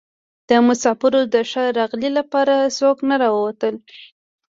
د مسافرو د ښه راغلي لپاره څوک نه راوتل.